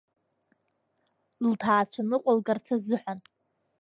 Лҭаацәа ныҟәылгарц азыҳәан…